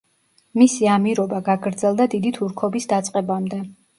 მისი ამირობა გაგრძელდა დიდი თურქობის დაწყებამდე.